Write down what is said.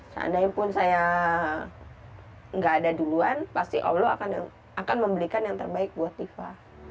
seandainya pun saya nggak ada duluan pasti allah akan memberikan yang terbaik buat diva